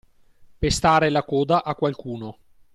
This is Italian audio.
Pestare la coda a qualcuno.